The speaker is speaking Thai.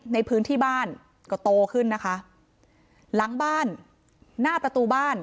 ในพื้นที่บ้านก็โตขึ้นนะคะหลังบ้านหน้าประตูบ้าน